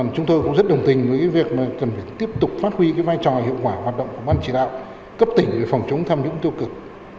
chúng tôi cũng rất đồng tình với việc cần phải tiếp tục phát huy vai trò hiệu quả hoạt động của ban chỉ đạo cấp tỉnh về phòng chống tham nhũng tiêu cực